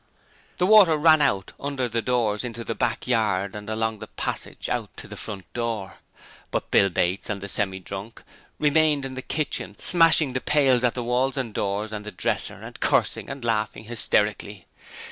The water ran out under the doors into the back yard, and along the passage out to the front door. But Bill Bates and the Semi drunk remained in the kitchen, smashing the pails at the walls and doors and the dresser, and cursing and laughing hysterically.